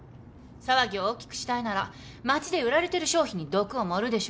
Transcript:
騒ぎを大きくしたいなら町で売られてる商品に毒を盛るでしょうよ。